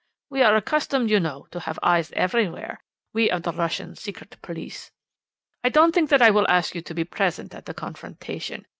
We are accustomed, you know, to have eyes everywhere, we of the Russian secret police. I don't think that I will ask you to be present at the confrontation.